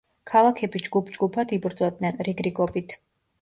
ქალაქები ჯგუფ-ჯგუფად იბრძოდნენ, რიგ-რიგობით.